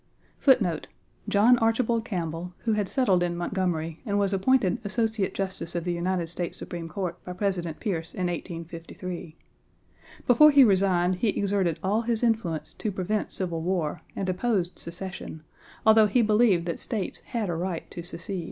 John Archibald Campbell, who had settled in Montgomery and was appointed Associate Justice of the United States Supreme Court by President Pierce in 1853. Before he resigned, he exerted all his influence to prevent Civil War and opposed secession, although he believed that States had a right to secede.